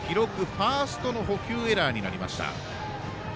ファーストの捕球エラーになりました。